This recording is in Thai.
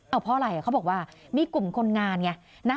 เอาเพราะอะไรเขาบอกว่ามีกลุ่มคนงานไง